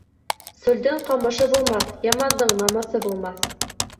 Сүлдең ҡамышы булмаҫ, ямандың намыҫы булмаҫ.